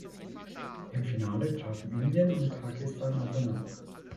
Im Finale trafen Indien und Pakistan aufeinander.